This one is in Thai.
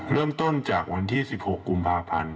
เริ่มต้นจากวันที่๑๖กุมภาพันธ์